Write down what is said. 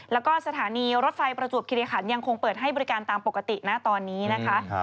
แล้วก็สถานีรถไฟประจวบคิริขันยังคงเปิดให้บริการตามปกตินะตอนนี้นะคะ